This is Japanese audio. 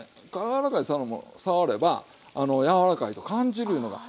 柔らかいものを触れば柔らかいと感じるいうのが。